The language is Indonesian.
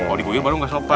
oh diguyur baru ga sopan